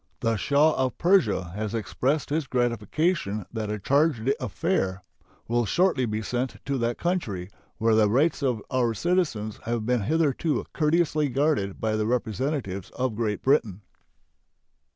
The Shah of Persia has expressed his gratification that a charge d'affaires will shortly be sent to that country, where the rights of our citizens have been hitherto courteously guarded by the representatives of Great Britain.